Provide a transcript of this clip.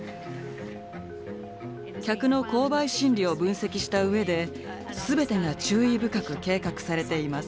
客の購買心理を分析したうえで全てが注意深く計画されています。